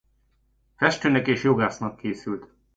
Festőnek és jogásznak készült.